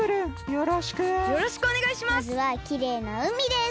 よろしくお願いします。